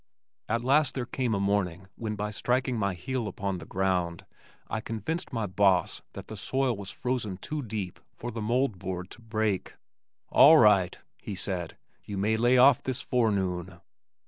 At last there came a morning when by striking my heel upon the ground I convinced my boss that the soil was frozen too deep for the mold board to break. "All right," he said, "you may lay off this forenoon."